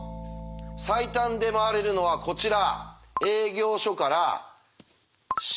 最短で回れるのはこちら。